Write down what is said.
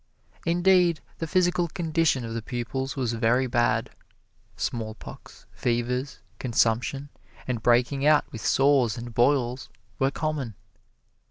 Indeed, the physical condition of the pupils was very bad: smallpox, fevers, consumption, and breaking out with sores and boils, were common.